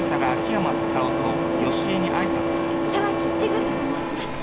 沢木千草と申します。